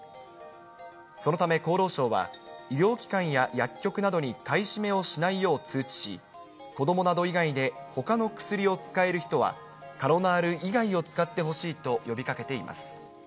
そのため厚労省は、医療機関や薬局などに買い占めをしないよう通知し、子どもなど以外でほかの薬を使える人は、カロナール以外を使ってほしいと呼びかけています。